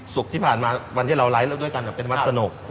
ที่ผ่านมาวันที่เราไลฟ์แล้วด้วยกันเป็นวัดสนุก